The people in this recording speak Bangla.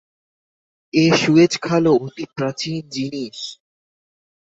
এ সুয়েজ খালও অতি প্রাচীন জিনিষ।